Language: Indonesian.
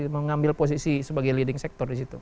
mengambil posisi sebagai leading sector di situ